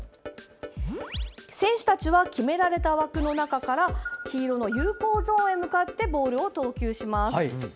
選手たちは決められた枠の中から黄色の有効ゾーンへ向かってボールを投球します。